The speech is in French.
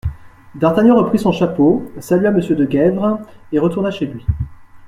D'Artagnan reprit son chapeau, salua Monsieur de Gesvres et retourna chez lui.